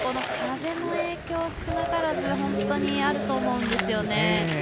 風の影響が少なからずあると思うんですね。